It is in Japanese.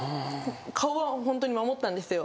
顔はホントに守ったんですよ。